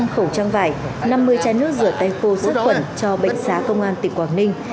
hai trăm linh khẩu trang vải năm mươi chai nước rửa tay khô sức khuẩn cho bệnh xá công an tỉnh quảng ninh